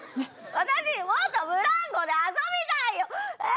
私もっとブランコで遊びたいよ！